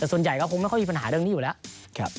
แต่ส่วนใหญ่ก็คงไม่ค่อยมีปัญหาเรื่องนี้อยู่แล้ว